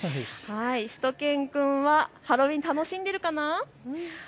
しゅと犬くんはハロウィーン楽しんでいるかな？